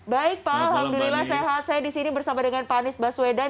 baik pak alhamdulillah sehat saya disini bersama dengan pak anies baswedan